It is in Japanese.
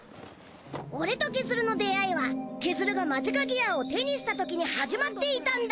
オレとケズルの出会いはケズルがマジカギアを手にした時に始まっていたんだ！